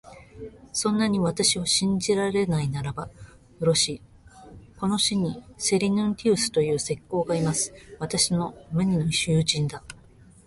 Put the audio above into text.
そんなに私を信じられないならば、よろしい、この市にセリヌンティウスという石工がいます。私の無二の友人だ。